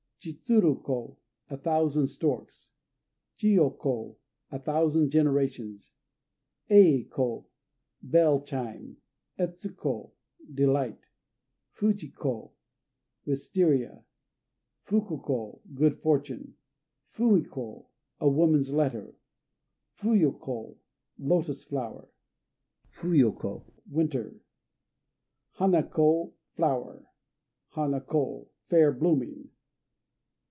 Chitsuru ko "A Thousand Storks." Chiyo ko "A Thousand Generations." Ei ko "Bell Chime." Etsu ko "Delight." Fuji ko "Wistaria." Fuku ko "Good Fortune." Fumi ko "A Woman's Letter." Fuyô ko "Lotos flower." Fuyu ko "Winter." Hana ko "Flower." Hana ko "Fair Blooming."